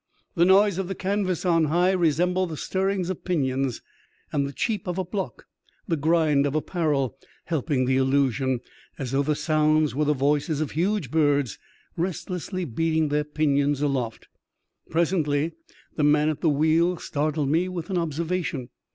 The noise of the canvas on high resembled the stirring of pinions, and the cheep of a block, the grind of a parrel, helped the illusion, as 24 EXTRAORDINARY ADVENTURE OF A CEIEF MATE, though the sounds were the voices of huge birds restlessly beating their pinions aloft. Presently, the man at the wheel startled me with an observation.